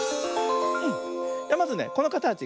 まずねこのかたち